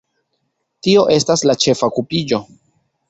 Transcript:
Tio estas la ĉefa okupiĝo.